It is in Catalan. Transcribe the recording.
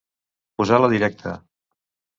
Posar la directa.